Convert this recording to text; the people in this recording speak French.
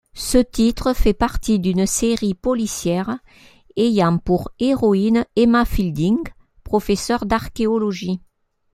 Ce titre fait partie d'une série policière ayant pour héroïne Emma Fielding, professeur d'archéologie.